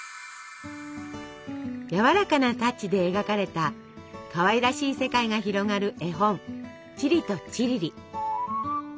やわらかなタッチで描かれたかわいらしい世界が広がる絵本「チリとチリリ」。